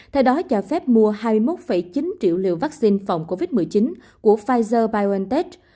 theo đó cho phép mua hai mươi một chín triệu liều vaccine phòng covid một mươi chín của pfizer biontech